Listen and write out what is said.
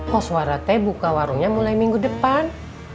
kos warah teh buka warungnya mulai minggu depan